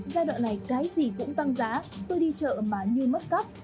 giai đoạn này cái gì cũng tăng giá tôi đi chợ mà như mất cắp